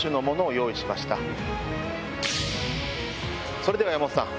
それでは山本さん